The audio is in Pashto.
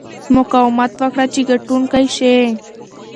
مقاومت وکړه چې ګټونکی شې.